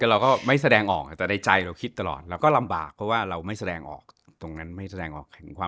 เราก็ไม่แสดงออกแต่ในใจเราคิดตลอดเราก็ลำบากเพราะว่าเราไม่แสดงออกตรงนั้นไม่แสดงออกถึงความ